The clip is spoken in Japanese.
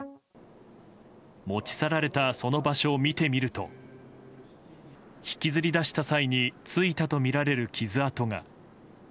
持ち去られたその場所を見てみると引きずり出した際についたとみられる傷痕が。